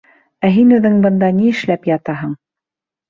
Ә һин үҙең бында ни эшләп ятаһың?